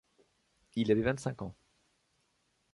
Il avait vingt-cinq ans.